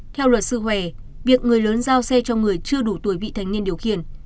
theo luật sư khỏe việc người lớn giao xe cho người chưa đủ tuổi bị thành niên điều khiển